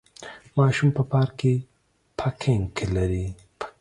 ماشوم په پارک کې پکنک لري.